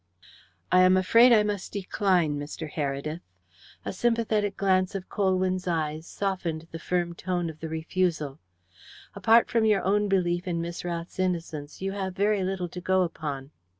"I am afraid I must decline, Mr. Heredith." A sympathetic glance of Colwyn's eyes softened the firm tone of the refusal. "Apart from your own belief in Miss Rath's innocence, you have very little to go upon."